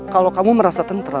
kalau kamu merasa tenteram